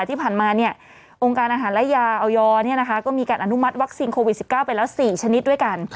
ที่ผ่านมาองค์การอาหารและยาออยก็มีการอนุมัติวัคซีนโควิด๑๙ไปแล้ว๔ชนิดด้วยกัน